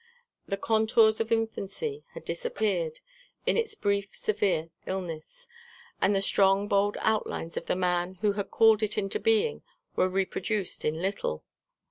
The contours of infancy had disappeared in its brief severe illness, and the strong bold outlines of the man who had called it into being were reproduced in little.